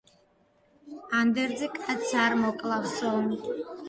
ანდერძი კაცს, არ მოკლავსო